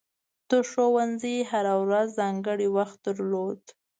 د ښوونځي هره ورځ ځانګړی وخت درلود.